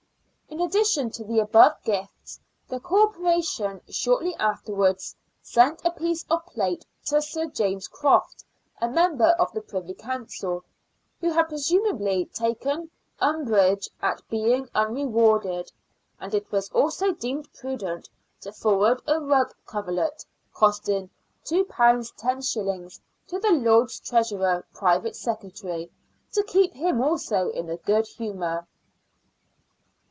In addition to the above gifts, the Corporation shortly afterwards sent a piece of plate to Sir James Croft, a member of the Privy Council, who had presumably taken umbrage at being unrewarded ; and it was also deemed prudent to forward a rug coverlet, costing £2 los., to the Lord Treasurer's private secretary, to keep him also in a good humour.